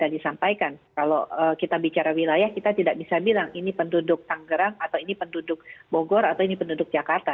disampaikan kalau kita bicara wilayah kita tidak bisa bilang ini penduduk tanggerang atau ini penduduk bogor atau ini penduduk jakarta